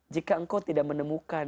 jika engkau tidak menemukan